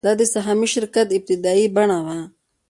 دا د سهامي شرکت ابتدايي بڼه وه